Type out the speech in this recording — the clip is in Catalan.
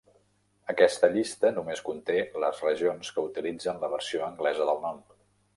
Aquesta llista només conté les regions que utilitzen la versió anglesa del nom.